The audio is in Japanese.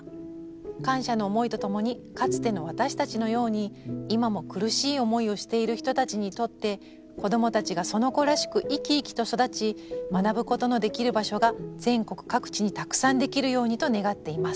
感謝の思いとともにかつての私たちのように今も苦しい思いをしている人たちにとって子どもたちがその子らしく生き生きと育ち学ぶことのできる場所が全国各地にたくさんできるようにと願っています」。